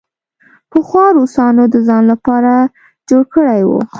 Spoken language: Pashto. پخوا روسانو د ځان لپاره جوړ کړی وو.